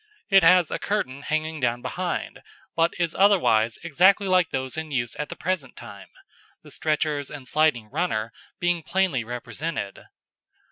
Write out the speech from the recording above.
It has a curtain hanging down behind, but is otherwise exactly like those in use at the present time, the stretchers and sliding runner being plainly represented.